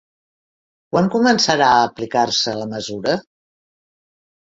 Quan començarà aplicar-se la mesura?